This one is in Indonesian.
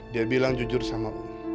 dia bilang jujur sama allah